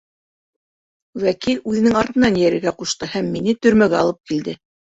Вәкил үҙенең артынан эйәрергә ҡушты һәм мине төрмәгә алып килде.